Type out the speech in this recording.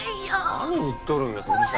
何言っとるんやさ